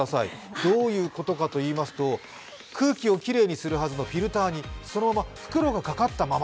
どういうことかといいますと空気をきれいにするはずのフィルターに袋がかかったまま。